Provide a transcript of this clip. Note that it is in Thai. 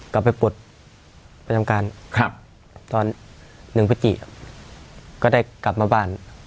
กลับไปปลดประจำการตอน๑พฤติก็ได้กลับมาบ้าน